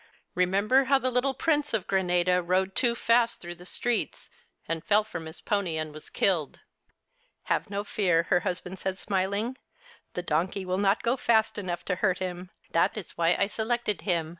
Remember how the little Prince of Granada rode too fast through the streets, and fell from his pony and was killed." " Have no fear," her husband said, smiling, " the donkey will not go fast enough to hurt him ; that is why I selected him."